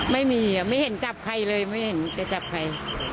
ไม่เห็นจับใครเลยไม่เห็นจับใคร